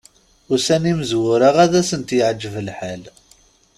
Ussan imezwura ad asent-yeɛǧeb lḥal.